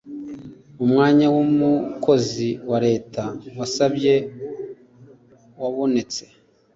umwanya w umukozi wa leta wasabye wabonetse